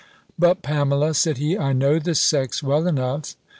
"But, Pamela," said he, "I know the sex well enough.